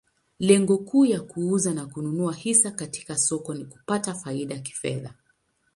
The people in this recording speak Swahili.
Lengo kuu ya kuuza na kununua hisa katika soko ni kupata faida kifedha.